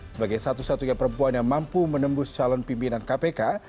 sebagai satu satunya perempuan yang mampu menembus calon pimpinan kpk